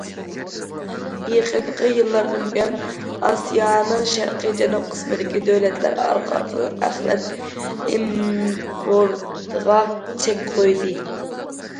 يېقىنقى يىللاردىن بۇيان، ئاسىيانىڭ شەرقىي جەنۇب قىسمىدىكى دۆلەتلەر ئارقا- ئارقىدىن ئەخلەت ئىمپورتىغا چەك قويدى.